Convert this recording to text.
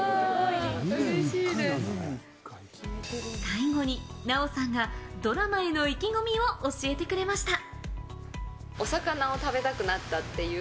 最後に奈緒さんがドラマへの意気込みを教えてくれました。